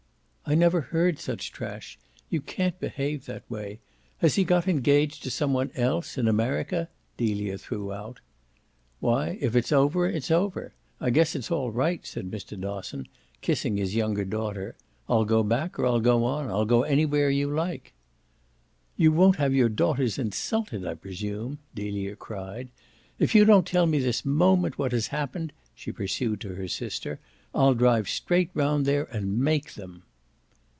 "I never heard such trash you can't behave that way! Has he got engaged to some one else in America?" Delia threw out. "Why if it's over it's over. I guess it's all right," said Mr. Dosson, kissing his younger daughter. "I'll go back or I'll go on. I'll go anywhere you like." "You won't have your daughters insulted, I presume!" Delia cried. "If you don't tell me this moment what has happened," she pursued to her sister, "I'll drive straight round there and make THEM."